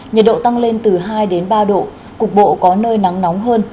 nhiệt độ tăng lên từ hai ba độ cục bộ có nơi nắng nóng hơn